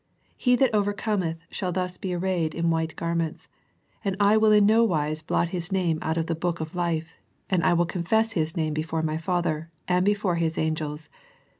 He that overcometh shall thus be arrayed in white garments; and I will in no wise blot his name out of the book of life, and I will confess His name before My Father, and before His angels.